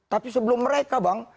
tapi sebelum mereka bang